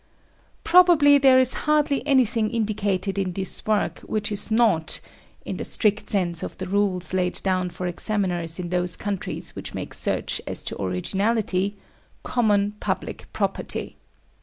Probably there is hardly anything indicated in this work which is not in the strict sense of the rules laid down for examiners in those countries which make search as to originality common public property.